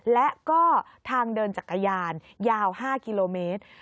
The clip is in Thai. และก็ทางเดินจักรยานยาว๕กิโลเมตร